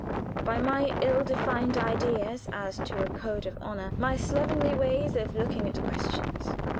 by my ill defined ideas as to a code of honor my slovenly ways of looking at questions?